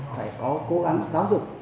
phải có cố gắng giáo dục